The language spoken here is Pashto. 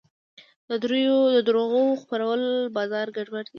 د دروغو خپرول بازار ګډوډوي.